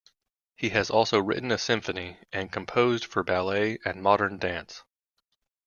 He has also written a symphony and composed for ballet and modern dance.